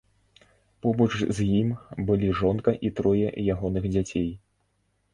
Побач з ім былі жонка і трое ягоных дзяцей.